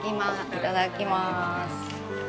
いただきます。